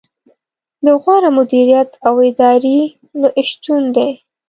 د غوره مدیریت او ادارې نه شتون دی.